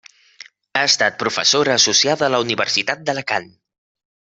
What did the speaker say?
Ha estat professora associada a la Universitat d'Alacant.